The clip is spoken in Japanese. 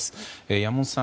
山本さん